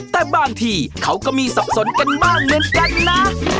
แต่บางทีเขาก็มีสับสนกันบ้างเหมือนกันนะ